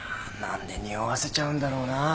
あ何でにおわせちゃうんだろうな。